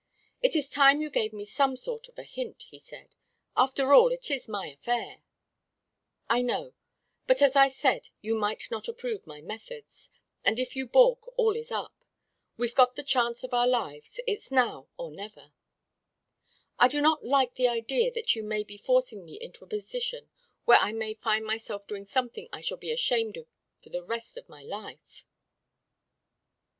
"It is time you gave me some sort of a hint," he said. "After all, it is my affair " "I know, but as I said, you might not approve my methods, and if you balk, all is up. We've got the chance of our lives. It's now or never." "I do not at all like the idea that you may be forcing me into a position where I may find myself doing something I shall be ashamed of for the rest of my life."